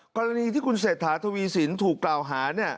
กรณีที่คุณเศรษฐาทวีสินถูกกล่าวหา